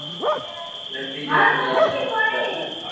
تيجا رو نوم لتا ھي